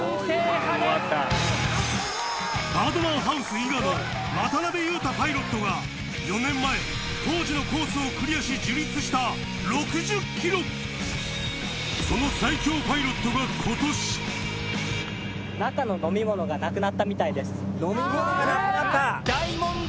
ＢＩＲＤＭＡＮＨＯＵＳＥ伊賀の渡邊悠太パイロットが４年前当時のコースをクリアし樹立した６０ｋｍその最強パイロットが今年飲み物がなくなった。